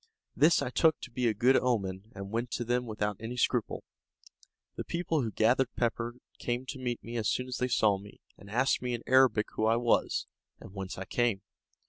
This I took to be a good omen, and went to them without any scruple. The people who gathered pepper came to meet me as soon as they saw me, and asked me in Arabic who I was, and whence I came.